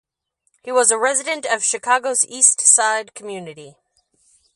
He was a resident of Chicago's East Side community.